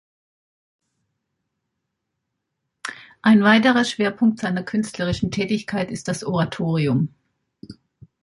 Ein weiterer Schwerpunkt seiner künstlerischen Tätigkeit ist das Oratorium.